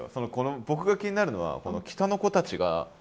僕が気になるのはこの「北の子」たちが。